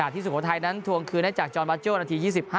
สุโขทัยนั้นทวงคืนให้จากจอนบาโจ้นาที๒๕